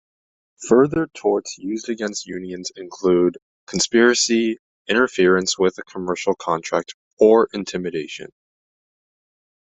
Further torts used against unions include conspiracy, interference with a commercial contract or intimidation.